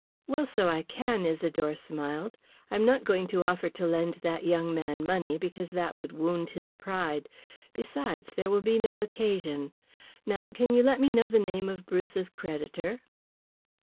"Well, so I can," Isidore smiled. "I am not going to offer to lend that young man money, because that would wound his pride. Besides, there will be no occasion. Now, can you let me know the name of Bruce's creditor."